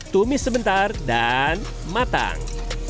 tumis sebentar dan matang